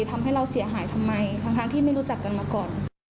ทำให้เราเสียหายทำไมทั้งที่ไม่รู้จักกันมาก่อน